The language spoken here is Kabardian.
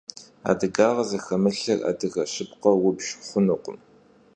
Adıgağe zıxemılhır adıge şıpkheu vubjj xhunukhım.